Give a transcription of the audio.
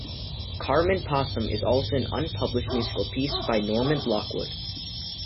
Carmen Possum is also an unpublished musical piece by Normand Lockwood.